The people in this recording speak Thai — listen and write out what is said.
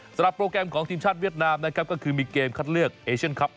โปรแกรมของทีมชาติเวียดนามนะครับก็คือมีเกมคัดเลือกเอเชียนครับ